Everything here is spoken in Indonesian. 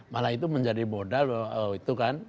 malah itu menjadi modal loh itu kan